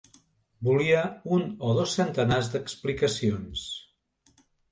Volia un o dos centenars d'explicacions.